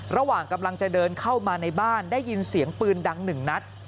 ระหว่างกำลังจะเดินเข้ามาในบ้านได้ยินเสียงปืนดังหนึ่งนัด